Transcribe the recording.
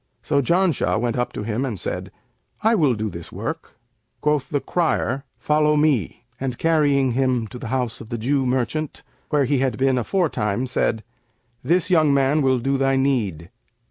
So Janshah went up to him and said, 'I will do this work.'[FN#559] Quoth the crier, 'Follow me,' and carrying him to the house of the Jew merchant, where he had been afore time, said, 'This young man will do thy need.'